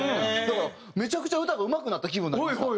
だからめちゃくちゃ歌がうまくなった気分になりました。